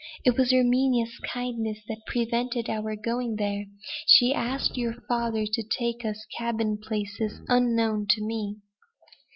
"It was Erminia's kindness that prevented our going there. She asked your father to take us cabin places unknown to me."